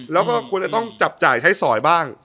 แล้วก็ควรจะต้องจับจ่ายใช้สอยบ้าง